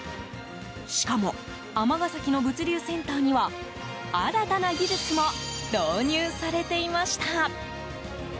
しかも、尼崎の物流センターには新たな技術も導入されていました。